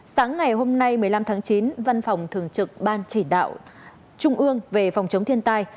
sáng ngày hôm nay một mươi năm tháng chín văn phòng thường trực ban chỉ đạo trung ương về phòng chống thiên tai